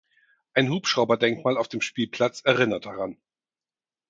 Ein Hubschrauber-Denkmal auf dem Spielplatz erinnert daran.